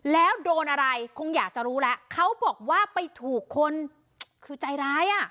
แล้วโดนอะไรคงอยากจะรู้แล้วเขาบอกว่าไปถูกคนคือใจร้ายอ่ะ